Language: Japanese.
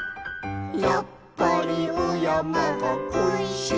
「やっぱりおやまがこいしいと」